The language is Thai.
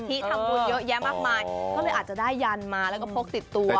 เพราะละอาจจะได้ยั่นมาแล้วก็พกติดตัว